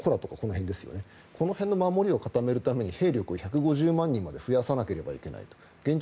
半島と過去の辺の守りを固めるために、兵力を１５０万人まで増やさないといけないと。